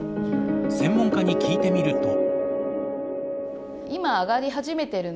専門家に聞いてみると。